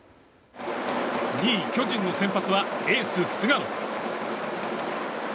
２位、巨人の先発はエース菅野。